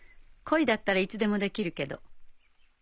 恋だったらいつでもできるけど。